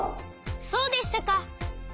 そうでしたか！